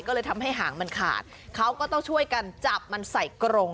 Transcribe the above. ก็เลยทำให้หางมันขาดเขาก็ต้องช่วยกันจับมันใส่กรง